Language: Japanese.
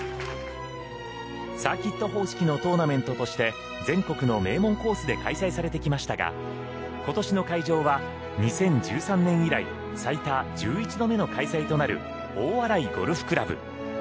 サーキット方式のトーナメントとして全国の名門コースで開催されてきましたが今年の会場は２０１３年以来最多１１度目の開催となる大洗ゴルフ倶楽部。